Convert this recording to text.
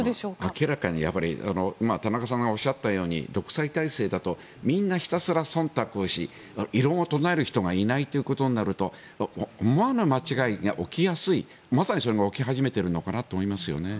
明らかに田中さんがおっしゃったように独裁体制だとみんな、ひたすらそんたくをし異論を唱える人がいないということになると思わぬ間違いが起きやすいまさにそれが起き始めているのかなと思いますね。